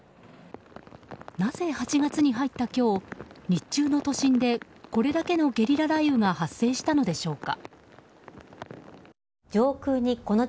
なぜ８月に入った今日日中の都心でこれだけのゲリラ雷雨が発生したのでしょうか。